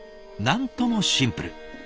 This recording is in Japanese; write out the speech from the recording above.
なんともシンプル。